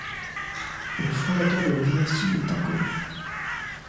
Le fondateur de la dynastie est inconnu.